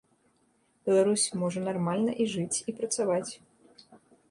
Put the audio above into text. Беларусь можа нармальна і жыць, і працаваць.